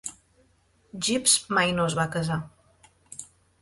Gibbs mai no es va casar.